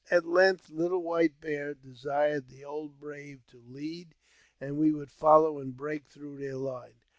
At length, Little White Bear desired the old brave to lead, and we would follow and break through their hne.